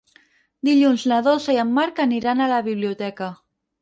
Dilluns na Dolça i en Marc aniran a la biblioteca.